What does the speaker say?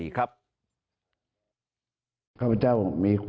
และโอกาสนี้พระเจ้าอยู่หัว